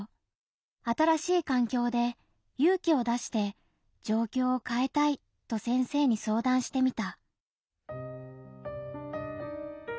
新しい環境で勇気を出して「状況を変えたい」と先生に相談してみた。